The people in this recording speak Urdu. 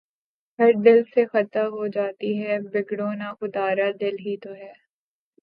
ہر دل سے خطا ہو جاتی ہے، بگڑو نہ خدارا، دل ہی تو ہے